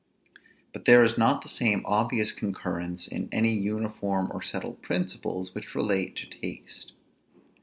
But there is not the same obvious concurrence in any uniform or settled principles which relate to taste.